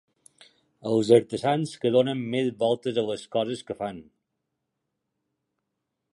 Els artesans que donen més voltes a les coses que fan.